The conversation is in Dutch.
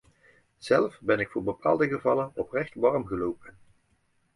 Zelf ben ik voor bepaalde gevallen oprecht warm gelopen.